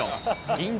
銀座